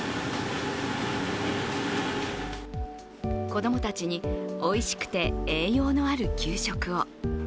子供たちにおいしくて栄養のある給食を。